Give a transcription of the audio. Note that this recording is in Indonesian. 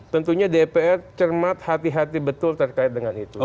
tentunya dpr cermat hati hati betul terkait dengan itu